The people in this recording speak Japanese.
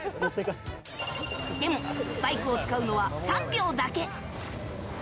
でもバイクを使うのは３秒だけ。